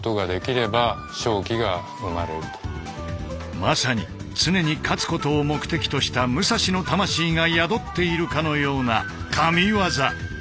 まさに常に勝つことを目的とした武蔵の魂が宿っているかのようなＫＡＭＩＷＡＺＡ。